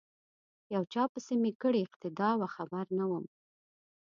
یو چا پسې می کړې اقتدا وه خبر نه وم